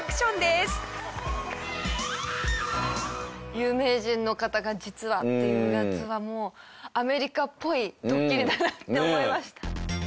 有名人の方が実はっていうやつはもうアメリカっぽいドッキリだなって思いました。